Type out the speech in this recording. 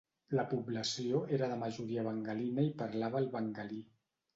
La població era de majoria bengalina i parlava el bengalí.